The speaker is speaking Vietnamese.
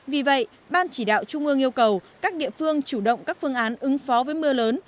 vì vậy ban chỉ đạo trung ương yêu cầu các địa phương chủ động các phương án ứng phó với mưa lớn